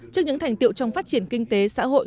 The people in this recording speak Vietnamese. trước những thành tiệu trong phát triển kinh tế xã hội